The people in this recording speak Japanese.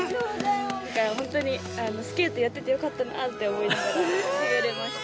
だから本当にスケートやっててよかったなって思いながら滑れました。